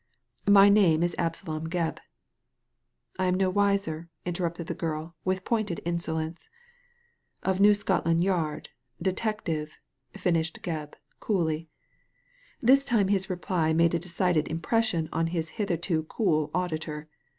" My name is Absalom Gebb." " I am no wiser," interrupted the girl, with pointed insolence. " Of New Scotland Yard, Detective," finished Gebb^ coolly. This time his reply made a decided impression on his hitherto cool auditor.